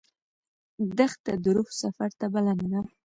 دښته د روح سفر ته بلنه ده.